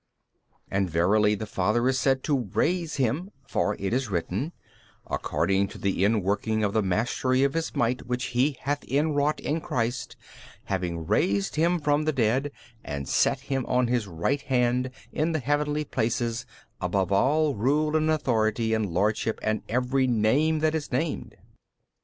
B. And verily the Father is said to raise Him, for it is written, According to the inworking of the mastery of His might which He hath inwrought 65 in Christ, having raised Him from the dead and set Him on His Right Hand in the |306 heavenly places above all rule and authority and lordship and every name that is named.